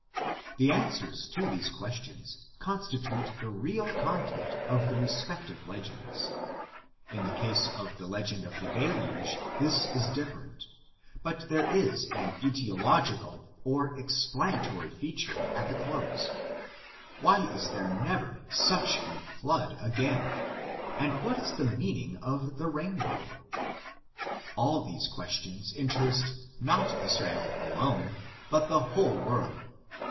The answers to these questions constitute the real content of the respective legends. In the case of the legend of the Deluge this is different, but there is an aetiological, or explanatory feature at the close: Why is there never such a flood again? And what is the meaning of the rainbow? All these questions interest not Israel alone, but the whole world.